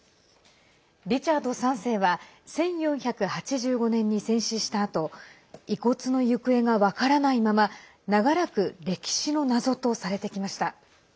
リチャード３世は１４８５年に戦死したあと遺骨の行方が分からないまま長らく歴史の謎とされてきました。